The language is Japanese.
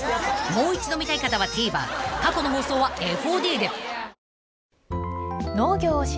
［もう一度見たい方はＴＶｅｒ過去の放送はＦＯＤで］